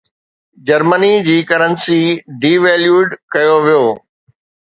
Germany جي currency devalued ڪيو ويو.